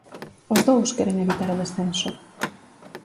Os dous queren evitar o descenso.